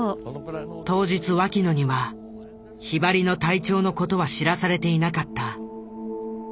当日脇野にはひばりの体調の事は知らされていなかった。